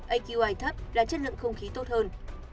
aqi thấp là chất lượng không khí tốt hơn